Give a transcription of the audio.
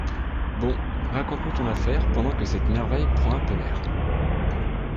Bon, raconte-nous ton affaire pendant que cette merveille prend un peu l’air.